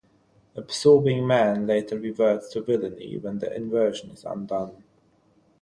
Absorbing Man later reverts to villainy when the inversion is undone.